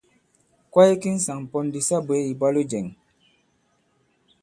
Kwaye ki ŋsàŋ pōn di sa bwě, ìbwalo jɛ̄ŋ!